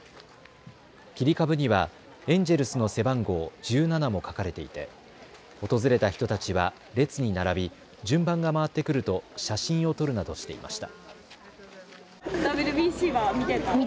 切り株にはエンジェルスの背番号１７も書かれていて訪れた人たちは列に並び順番が回ってくると写真を撮るなどしていました。